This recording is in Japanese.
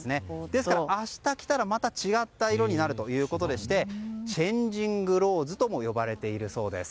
ですから明日来たらまた違った色になるということでしてチェンジングローズとも呼ばれているそうです。